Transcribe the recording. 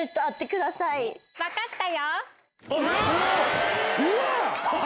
分かったよー。